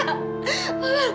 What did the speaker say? mama gak tahu lagi